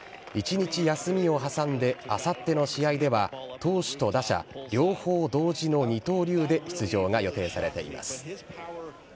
１日休みを挟んであさっての試合では、投手と打者、両方同時の二刀流で出場が予定されています。